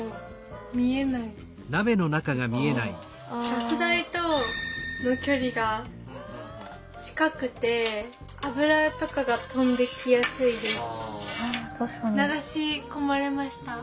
ガス台との距離が近くて油とかが飛んできやすいです。